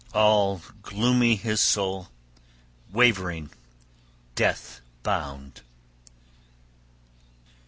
All gloomy his soul, wavering, death bound.